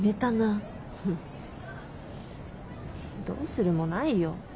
どうするもないよ。